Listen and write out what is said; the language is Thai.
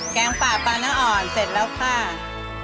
งป่าปลาน้ำอ่อนเสร็จแล้วค่ะ